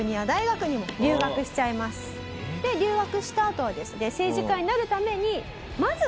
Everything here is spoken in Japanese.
留学したあとはですね